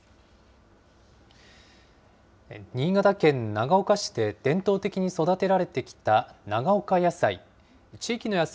新潟県長岡市で伝統的に育てられてきた長岡野菜。